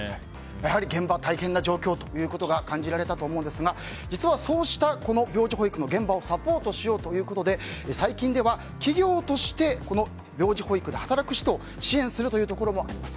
やはり現場は大変な状況ということが感じられたと思うんですが実はそうしたこの病児保育の現場をサポートしようということで最近では企業として病児保育で働く人を支援するというところもあります。